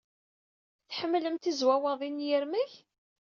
Tḥemmlem tizwawaḍin n yirmeg?